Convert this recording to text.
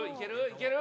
いける？